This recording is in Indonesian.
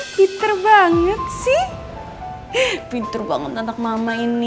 pinter banget sih pinter banget anak mama ini